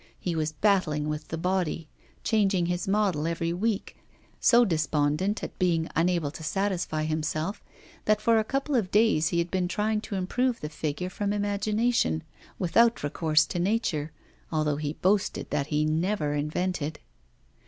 He was battling with the body, changing his model every week, so despondent at being unable to satisfy himself that for a couple of days he had been trying to improve the figure from imagination, without recourse to nature, although he boasted that he never invented.